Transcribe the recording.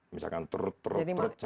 misalkan trut trut trut sampai tiga kali